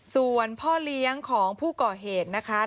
ส่วนพ่อเลี้ยงของผู้ก่อเหตุนะคะ